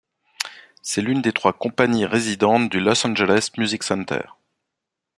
C'est l'une des trois compagnies résidentes du Los Angeles Music Center.